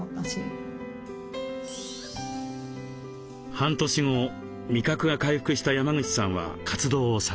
半年後味覚が回復した山口さんは活動を再開。